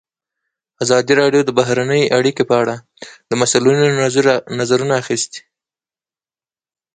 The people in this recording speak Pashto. ازادي راډیو د بهرنۍ اړیکې په اړه د مسؤلینو نظرونه اخیستي.